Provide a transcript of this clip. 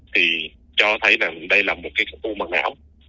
thì cho thấy là đây là một cái khối u bằng não